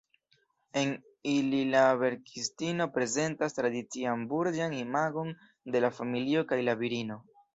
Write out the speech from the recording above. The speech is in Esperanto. En ili la verkistino prezentas tradician burĝan imagon de la familio kaj la virino.